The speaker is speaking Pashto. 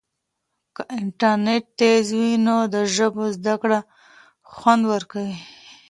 که انټرنیټ تېز وي نو د ژبو زده کړه خوند ورکوي.